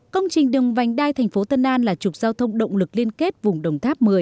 công trình đường vành đai thành phố tân an là trục giao thông động lực liên kết vùng đồng tháp một mươi